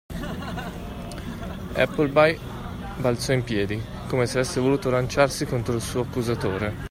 Appleby balzò in piedi, come se avesse voluto lanciarsi contro il suo accusatore.